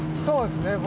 そうですね